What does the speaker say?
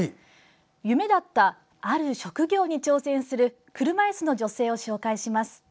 夢だったある職業に挑戦する車いすの女性を紹介します。